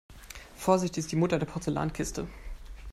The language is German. Vorsicht ist die Mutter der Porzellankiste.